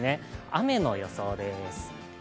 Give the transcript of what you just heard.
雨の予想です。